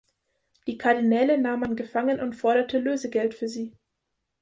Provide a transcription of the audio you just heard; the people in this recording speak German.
Die Kardinäle nahm man gefangen und forderte Lösegeld für sie.